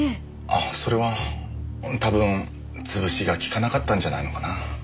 ああそれは多分つぶしがきかなかったんじゃないのかな。